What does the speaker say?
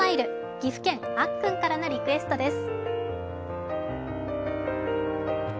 岐阜県あっくんからのリクエストです。